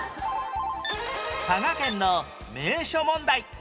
佐賀県の名所問題